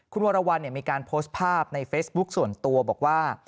คุณวรวรรณมีการโพสต์ภาพในเฟซบุ๊คส่วนตัวบอกว่า